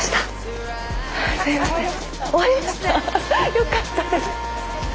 よかったです。